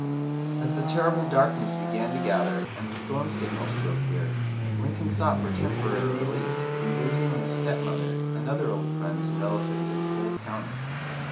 As the terrible darkness began to gather, and the storm signals to appear, Lincoln sought for temporary relief in visiting his stepmother and other old friends and relatives in Coles County.